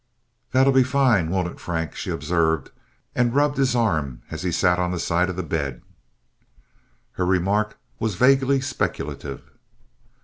"That'll be fine, won't it, Frank!" she observed, and rubbed his arm as he sat on the side of the bed. Her remark was vaguely speculative.